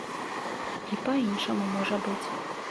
І па-іншаму можа быць.